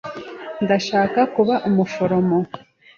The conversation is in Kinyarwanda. Ndashaka kuba umuforomo.